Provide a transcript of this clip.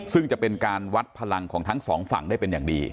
ซึ่งจะเป็นการวัดพลังของทั้งสองฝั่งได้เป็นอย่างดี